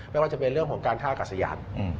ไม่ว่าจะเป็นเรื่องของการท่าอากาศยาน